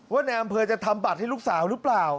ว่าแนร์อำเภอจะทำบัตรที่ลูกสาวรึเปล่า